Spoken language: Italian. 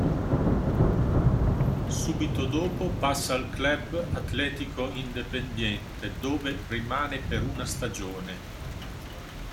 Subito dopo passa al Club Atlético Independiente, dove rimane per una stagione.